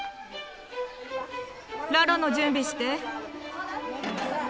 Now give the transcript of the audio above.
ラロの準備して。